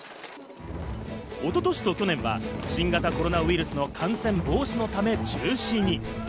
一昨年と去年は新型コロナウイルスの感染防止のため中止に。